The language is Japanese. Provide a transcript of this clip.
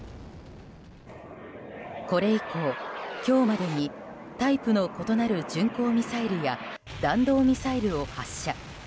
これ以降、今日までにタイプの異なる巡航ミサイルや弾道ミサイルを発射。